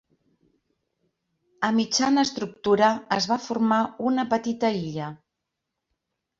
A mitjan estructura es va formar una petita illa.